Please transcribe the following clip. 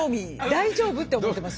「大丈夫？」って思ってます